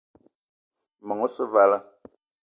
Meng osse vala.